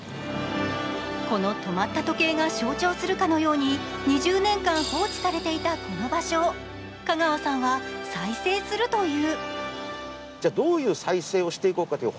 この止まった時計が象徴するかのように２０年間放置されていたこの場所を香川さんは再生するという。